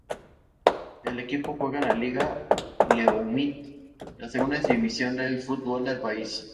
El equipo juega en la Liga Leumit, la segunda división del fútbol del país.